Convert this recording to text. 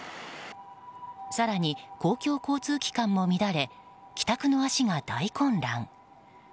更に、公共交通機関も乱れ帰宅の足が大混乱。